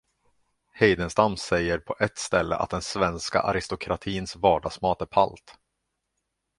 Heidenstam säger på ett ställe att den svenska aristokratins vardagsmat är palt.